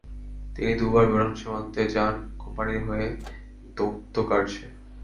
তিনি দু'বার ভুটান সীমান্তে যান কোম্পানির হয়ে দৌত্যকার্যে।